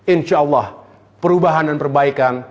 insya allah perubahan dan perbaikan